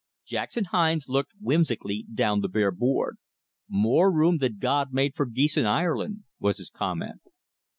Jackson Hines looked whimsically down the bare board. "More room than God made for geese in Ireland," was his comment.